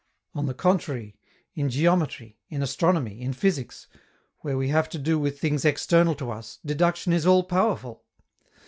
On the contrary, in geometry, in astronomy, in physics, where we have to do with things external to us, deduction is all powerful!